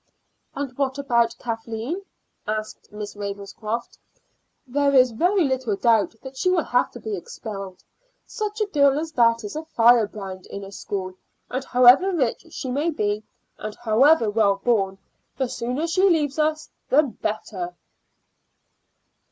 "And what about Kathleen?" asked Miss Ravenscroft. "There is very little doubt that she will have to be expelled. Such a girl as that is a firebrand in a school, and however rich she may be, and however well born, the sooner she leaves us the better."